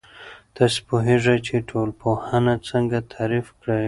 تاسو پوهیږئ چې ټولنپوهنه څنګه تعريف کیږي؟